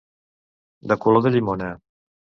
De color de llimona.